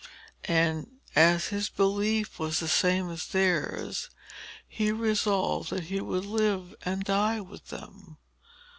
"And as his belief was the same as theirs, he resolved that he would live and die with them.